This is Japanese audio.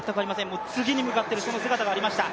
もう次に向かっている姿がありました。